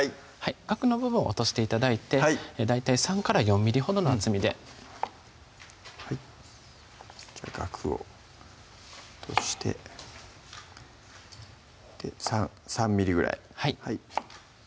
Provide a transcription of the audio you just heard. ガクの部分を落として頂いて大体３４ｍｍほどの厚みではいガクを落として３ｍｍぐらいはい